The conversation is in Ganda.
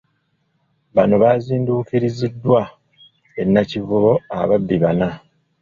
Bano baazinduukiriziddwa e Nakivubo ababbi bana.